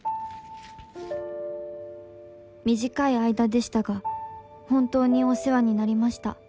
「短い間でしたが本当にお世話になりました」